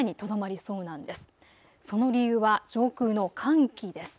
その理由は上空の寒気です。